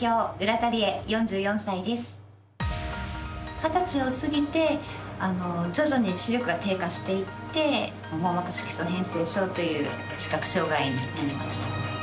二十歳を過ぎて徐々に視力が低下していって網膜色素変性症という視覚障がいになりました。